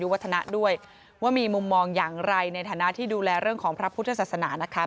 ว่ามีมุมมองอย่างไรในฐานะที่ดูแลเรื่องของพระพุทธศาสนา